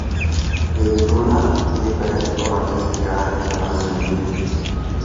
Ειρηνούλα, είπε κολακευτικά η μελαχρινή